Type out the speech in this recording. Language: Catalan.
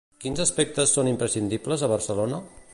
Quins aspectes són imprescindibles a Barcelona?